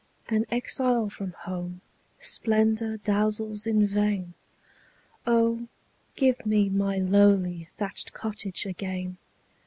An exile from home, splendor dazzles in vain:O, give me my lowly thatched cottage again!